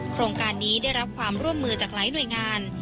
โครงการนี้ได้รับความร่วมมือจากหลายหน่วยงาน